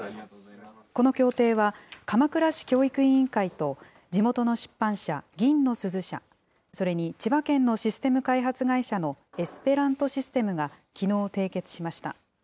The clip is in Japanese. この協定は、鎌倉市教育委員会と、地元の出版社、銀の鈴社、それに千葉県のシステム開発会社のエスペラントシステムがきのう、締結しました。